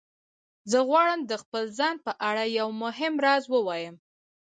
زه غواړم د خپل ځان په اړه یو مهم راز ووایم